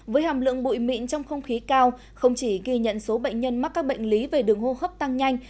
với hàm lượng bụi mịn trong không khí cao không chỉ ghi nhận số bệnh nhân mắc các bệnh lý về đường hô hấp tăng nhanh